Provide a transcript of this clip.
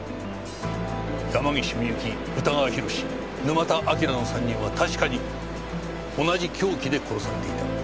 山岸ミユキ宇田川宏沼田章の３人は確かに同じ凶器で殺されていた。